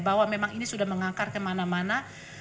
bahwa memang ini sudah mengakar kemana mana